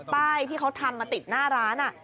ป้ายที่เขาทำมาติดหน้าร้าน